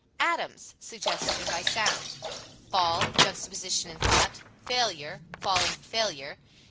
ADAMS Suggestion by sound. Fall Juxtaposition of thought. Failure Fall and failure.